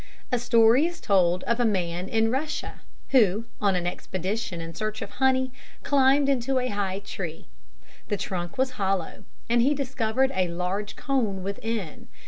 A story is told of a man in Russia, who, on an expedition in search of honey, climbed into a high tree. The trunk was hollow, and he discovered a large cone within.